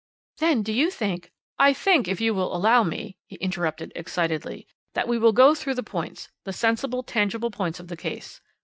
"Then, do you think " "I think, if you will allow me," he interrupted excitedly, "that we will go through the points the sensible, tangible points of the case.